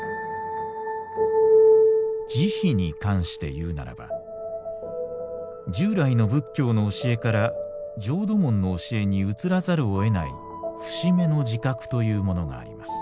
「慈悲に関して言うならば従来の仏教の教えから浄土門の教えに移らざるを得ない節目の自覚というものがあります」。